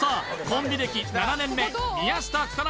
コンビ歴７年目宮下草薙